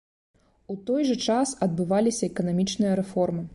У той жа час адбываліся эканамічныя рэформы.